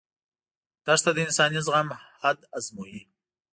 دښته د انساني زغم حد ازمويي.